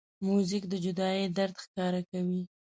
موزیک د جدایۍ درد ښکاره کوي.